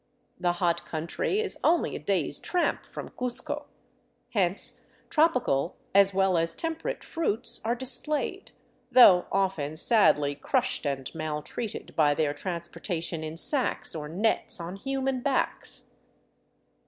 The hot country is only a day's tramp from Cuzco; hence tropical as well as temperate fruits, are displayed, though often sadly crushed and maltreated by their trans portation in sacks or nets on human backs.